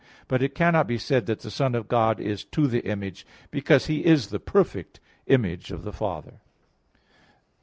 But it cannot be said that the Son of God is "to the image," because He is the perfect Image of the Father.